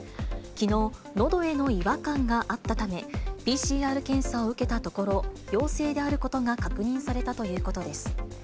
きのう、のどへの違和感があったため、ＰＣＲ検査を受けたところ、陽性であることが確認されたということです。